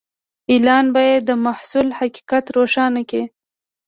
اعلان باید د محصول حقیقت روښانه کړي.